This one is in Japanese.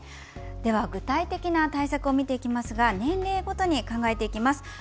具体的な対策を見ていきますが年齢ごとに考えていきます。